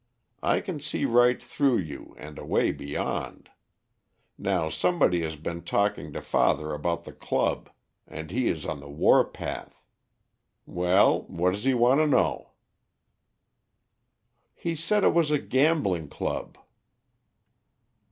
I can see right through you and away beyond. Now, somebody has been talking to father about the club, and he is on the war path. Well, what does he want to know?" "He said it was a gambling club."